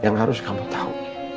yang harus kamu tahu